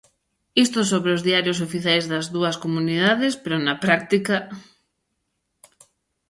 Isto sobre os diarios oficiais das dúas comunidades, pero na práctica...